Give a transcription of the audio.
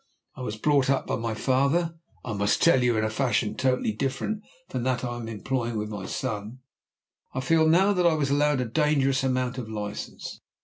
I was brought up by my father, I must tell you, in a fashion totally different from that I am employing with my son. I feel now that I was allowed a dangerous amount of license.